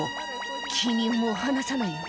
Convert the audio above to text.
「君をもう離さないよ」